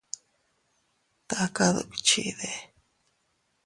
¿Taka dukchide?